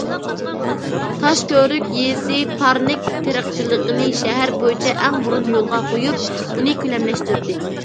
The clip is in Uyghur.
تاشكۆۋرۈك يېزىسى پارنىك تېرىقچىلىقىنى شەھەر بويىچە ئەڭ بۇرۇن يولغا قويۇپ، ئۇنى كۆلەملەشتۈردى.